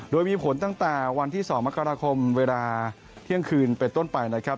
โดยมีผลตั้งแต่วันที่๒มกราคมเวลาเที่ยงคืนเป็นต้นไปนะครับ